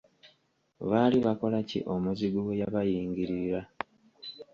Baali bakola ki omuzigu we yabayingirira?